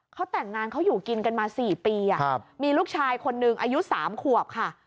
เขาแต่งงานเขาอยู่กินกันมา๔ปีมีลูกชายคนหนึ่งอายุ๓ขวบค่ะ